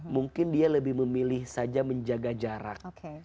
mungkin dia lebih memilih saja menjaga jarak